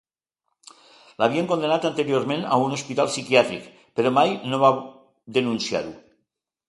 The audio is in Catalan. L'havien condemnat anteriorment a un hospital psiquiàtric, però mai no va denunciar-ho.